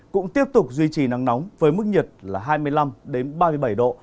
cũng tiếp tục duy trì năng nóng với mức nhiệt là hai mươi năm đến ba mươi bảy độ